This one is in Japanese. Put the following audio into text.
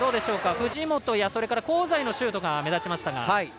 藤本や香西のシュートが目立ちました。